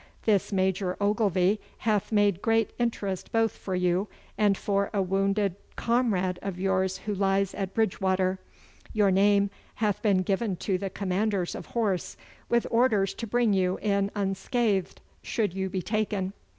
This Major Ogilvy hath made great interest both for you and for a wounded comrade of yours who lies at Bridgewater. Your name hath been given to the commanders of horse, with orders to bring you in unscathed should you be taken.